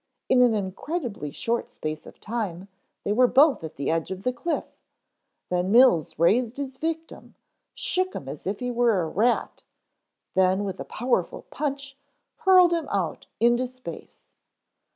In an incredibly short space of time they were both at the edge of the cliff, then Mills raised his victim, shook him as if he were a rat, then with a powerful punch, hurled him out into space.